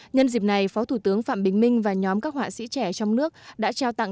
nhân dịp này phó thủ tướng phạm bình minh và nhóm các họa sĩ trẻ trong nước đã trao tặng